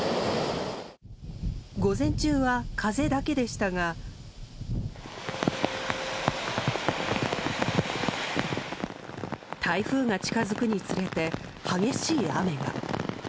午前中は、風だけでしたが台風が近づくにつれて激しい雨が。